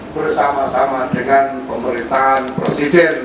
bersama sama dengan pemerintahan presiden